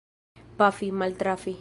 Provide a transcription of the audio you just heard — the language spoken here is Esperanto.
Pafi — maltrafi.